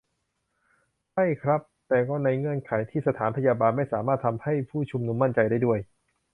ใช่ครับ แต่ก็ในเงื่อนไขที่สถานพยาบาลไม่สามารถทำให้ผู้ชุมนุมมั่นใจได้ด้วย